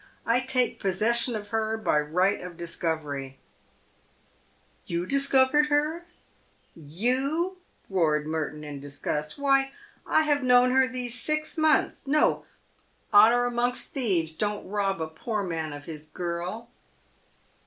I take possession of her by right of dis covery," " You discovered her — you ?" roared Merton, in disgust. " Why, I have known her these six months. No ! honour amongst thieves ! Don't rob a poor man of his girl